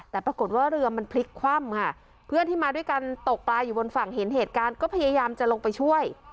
แต่ปรากฏว่าเรือมันพลิกคว่ำค่ะเพื่อนที่มาด้วยกันตกปลาอยู่บนฝั่งเห็นเหตุการณ์ก็พยายามจะลงไปช่วย